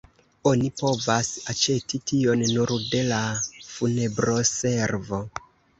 Oni povas aĉeti tion nur de la funebroservo.